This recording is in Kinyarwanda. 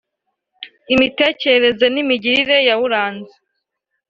imitekerereze n’imigirire yawuranze